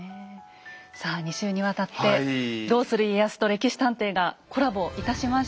さあ２週にわたって「どうする家康」と「歴史探偵」がコラボいたしました。